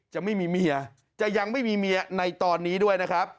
จะไม่มีเมียจะยังไม่มีเมียในตอนนี้ด้วยนะครับ